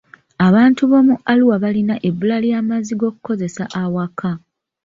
Abantu b'omu Arua balina ebbula ly'amazzi g'okukozesa awaka.